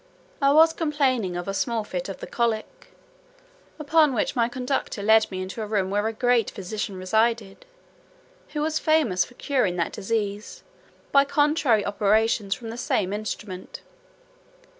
I was complaining of a small fit of the colic, upon which my conductor led me into a room where a great physician resided, who was famous for curing that disease, by contrary operations from the same instrument.